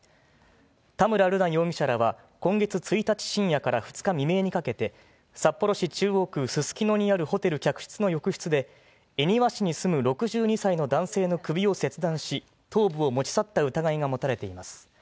田村瑠奈容疑者らは、今月１日深夜から２日未明にかけて、札幌市中央区すすきのにあるホテル客室の浴室で恵庭市に住む６２歳の男性の首を切断し、頭部を持ち去った疑いが持たれています。